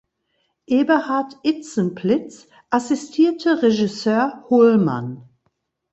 Eberhard Itzenplitz assistierte Regisseur Holman.